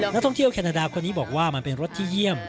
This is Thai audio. นักท่องเที่ยวแคนาดาคนนี้บอกว่ามันเป็นรถที่เยี่ยม